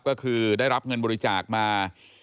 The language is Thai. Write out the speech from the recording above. ก็คือได้รับเงินบริจาคมา